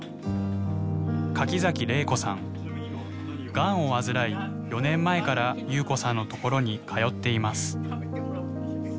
がんを患い４年前から夕子さんのところに通っています。